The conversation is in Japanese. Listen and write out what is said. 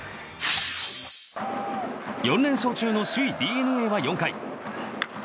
４連勝中の首位ＤｅＮＡは４回。